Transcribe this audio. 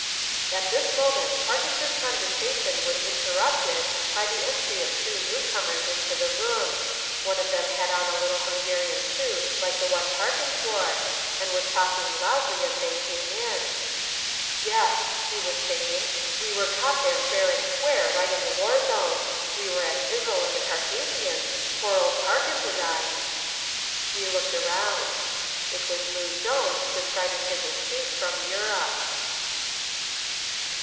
At this moment Parkins's conversation was interrupted by the entry of two newcomers into the room. One of them had on a little Hungarian suit like the one Parkins wore, and was talking loudly as they came in. "Yes," he was saying, "we were caught there fair and square right in the war zone. We were at Izzl in the Carpathians, poor old Parkins and I " We looked round. It was Loo Jones, describing his escape from Europe.